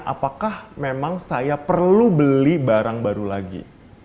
apakah memang saya perlu beli barang baru lagi